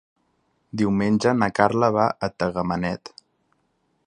Diumenge na Carla va a Tagamanent.